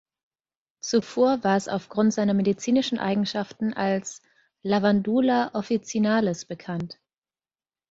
Zuvor war es aufgrund seiner medizinischen Eigenschaften als „Lavandula officinalis“ bekannt.